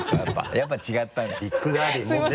やっぱ違ったね。